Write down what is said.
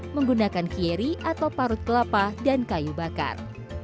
menggunakan kieri atau parut kelapa dan kayu bakar